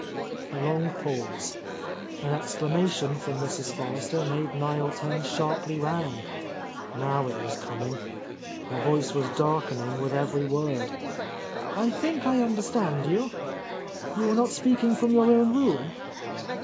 A long pause. An exclamation from Mrs. Forrester made Niel turn sharply round. Now it was coming 1 Her voice was darkening with every word. "I think I understand you. You are not speaking from your own room?